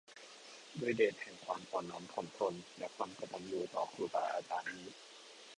ด้วยเดชแห่งความอ่อนน้อมถ่อมตนและความกตัญญูต่อครูบาอาจารย์นี้